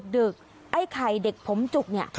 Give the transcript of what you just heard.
ดึกไอ้ไข่เด็กผมจุกเนี่ย